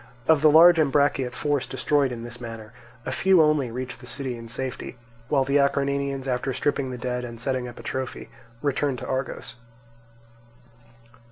Of the large Ambraciot force destroyed in this manner, a few only reached the city in safety; while the Acarnanians, after stripping the dead and setting up a trophy, returned to Argos.